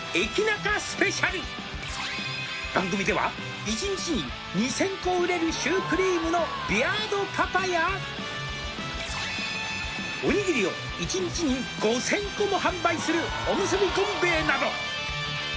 「番組では１日に２０００個売れるシュークリームのビアードパパや」「おにぎりを１日に５０００個も販売するおむすび権米衛など」